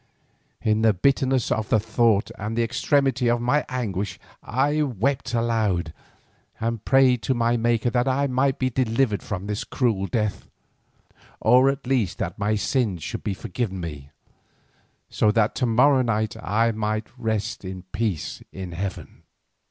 In the bitterness of the thought and the extremity of my anguish I wept aloud and prayed to my Maker that I might be delivered from this cruel death, or at the least that my sins should be forgiven me, so that to morrow night I might rest at peace in heaven.